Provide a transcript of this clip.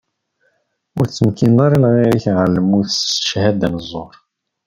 Ur tettmekkineḍ ara lɣir-ik ɣer lmut s cchada n ẓẓur.